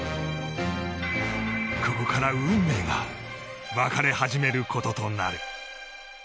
ここから運命が分かれ始めることとなる。